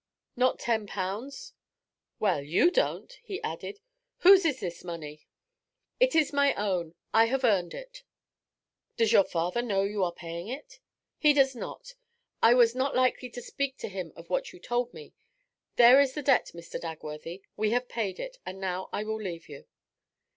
'Not ten pounds?' 'Well, you don't.' He added, 'Whose is this money?' 'It is my own; I have earned it.' 'Does your father know you are paying it?' He does not. I was not likely to speak to him of what you told me. There is the debt, Mr. Dagworthy; we have paid it, and now I will leave you.